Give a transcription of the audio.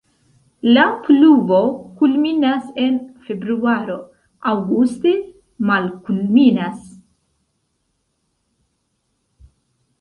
La pluvo kulminas en februaro, aŭguste malkulminas.